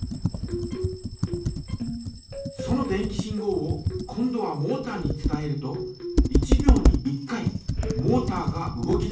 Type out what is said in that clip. その電気信号を今度はモータに伝えると１秒に１回モータが動き出し。